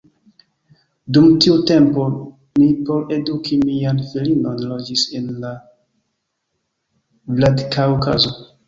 Dum tiu tempo mi por eduki mian filinon loĝis en en Vladikaŭkazo.